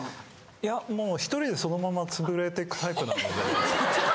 いやもう１人でそのままつぶれていくタイプなので。